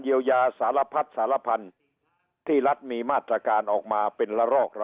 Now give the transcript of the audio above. เยียวยาสารพัดสารพันธุ์ที่รัฐมีมาตรการออกมาเป็นละรอก